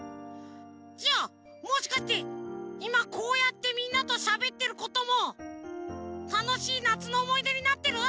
じゃあもしかしていまこうやってみんなとしゃべってることもたのしいなつのおもいでになってる？